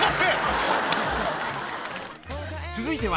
［続いては］